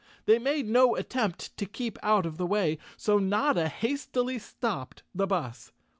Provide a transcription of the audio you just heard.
They made no attempt to keep out of the way, so Notta hastily stopped the bus.